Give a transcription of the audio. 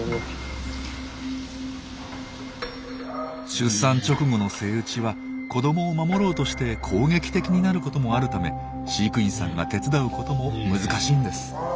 出産直後のセイウチは子どもを守ろうとして攻撃的になることもあるため飼育員さんが手伝うことも難しいんです。